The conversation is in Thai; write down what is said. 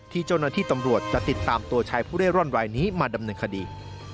ที่เจ้าหน้าที่ตำรวจจะติดตามตัวชายผู้เร่ร่อนรายนี้มาดำเนินคดี